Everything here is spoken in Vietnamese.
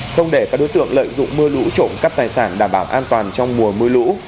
không để các đối tượng lợi dụng mưa lũ trộm cắp tài sản đảm bảo an toàn trong mùa mưa lũ